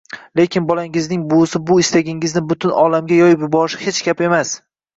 Lekin bolangizning buvisi bu istagingizni butun olamga yoyib yuborishi hech gap emas.